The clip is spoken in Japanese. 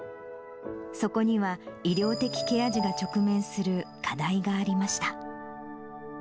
そこには、医療的ケア児が直面する課題がありました。